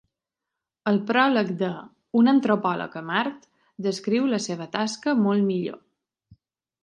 El pròleg de ‘Un antropòleg a Mart’ descriu la seva tasca molt millor.